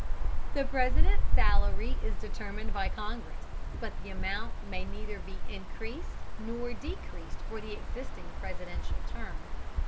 The President's salary is determined by Congress, but the amount may be neither increased nor decreased for the existing presidential term.